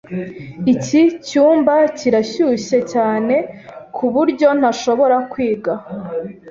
Iki cyumba kirashyushye cyane kuburyo ntashobora kwiga.